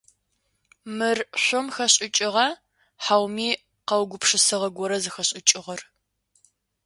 Мыр шъом хэшӏыкӏыгъа, хьауми къэугупшысыгъэ гора зыхэшӏыкӏыгъэр?